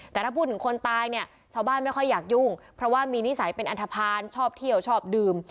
แต่ถ้าพูดถึงคนตายเนี่ยชาวบ้านไม่ค่อยอยากยุ่งเพราะว่ามีนิสัยเป็นอันทภาณชอบเที่ยวชอบดื่ม